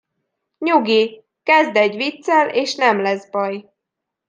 Nyugi, kezdd egy viccel, és nem lesz baj!